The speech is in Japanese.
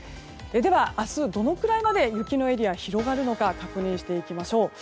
では明日、どのくらいまで雪のエリア広がるのか確認していきましょう。